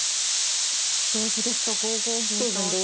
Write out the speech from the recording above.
同歩ですと５五銀と。